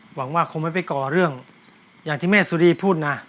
หวังว่าคงไม่ไปก่อเรื่องอย่างที่แม่สุรีพูดนะ